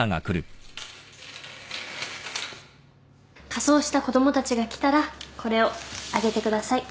仮装した子供たちが来たらこれをあげてください。